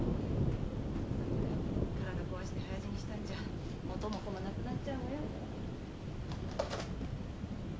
お父さんみたいに体壊して早死にしたんじゃ元も子もなくなっちゃうわよ。